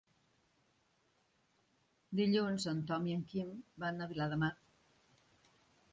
Dilluns en Tom i en Quim van a Viladamat.